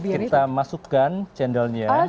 kita masukkan cendolnya